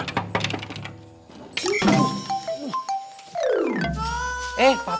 tidak ada apa apa